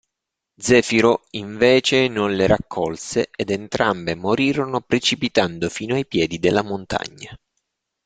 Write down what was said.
Zefiro invece non le raccolse ed entrambe morirono precipitando fino ai piedi della montagna.